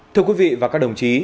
thưa quý vị và các đồng chí